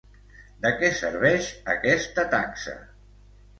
De què serveix aquesta taxa?